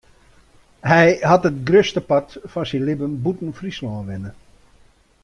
Hy hat it grutste part fan syn libben bûten Fryslân wenne.